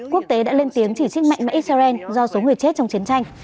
quốc tế đã lên tiếng chỉ trích mạnh mẽ israel do số người chết trong chiến tranh